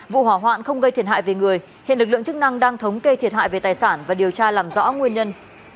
vụ hỏa hoạn không gây thiệt hại về người hiện lực lượng chức năng đang thống kê thiệt hại về tài sản và điều tra làm rõ nguyên nhân